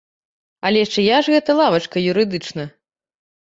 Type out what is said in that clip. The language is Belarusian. Але чыя ж гэта лавачка юрыдычна?